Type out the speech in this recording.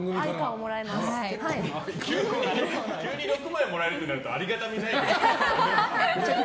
急に６枚もらえるってなるとありがたみないけど。